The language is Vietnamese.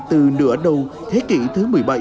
từ nửa đầu thế kỷ thứ một mươi bảy